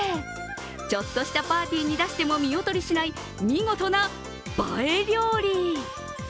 ちょっとしたパーティーに出しても見劣りしない見事な映え料理。